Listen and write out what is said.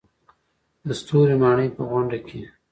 د ستوري ماڼۍ په غونډه کې.